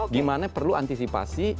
gimana perlu antisipasi